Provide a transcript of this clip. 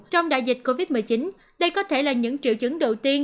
trong đại dịch covid một mươi chín đây có thể là những triệu chứng đầu tiên